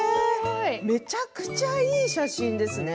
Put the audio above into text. めちゃくちゃいい写真ですね。